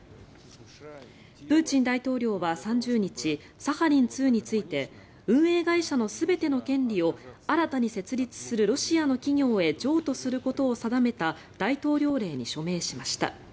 プーチン大統領は３０日サハリン２について運営会社の全ての権利を新たに設立するロシアの企業へ譲渡することを定めた大統領令に署名しました。